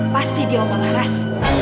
pasti dia om laras